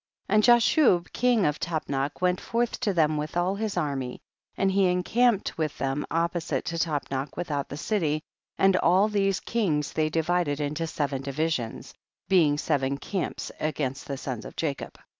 10. And Jashub king of Tapnach went forth to them with all his army, and he encamped with them opposite to Tapnach without the city, and all these kings they divided into seven divisions, being seven camps against the sons of Jacob.